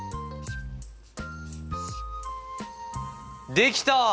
できた！